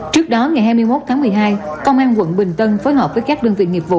trước đó ngày hai mươi một tháng một mươi hai công an quận bình tân phối hợp với các đơn vị nghiệp vụ